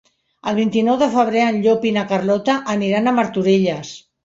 El vint-i-nou de febrer en Llop i na Carlota aniran a Martorelles.